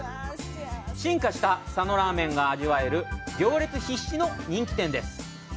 進化した佐野ラーメンが味わえる、行列必至の人気店です。